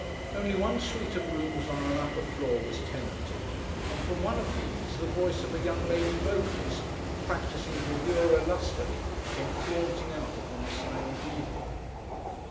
Only one suite of rooms on an upper floor was tenanted; and from one of these, the voice of a young lady vocalist, practising bravura lustily, came flaunting out upon the silent evening.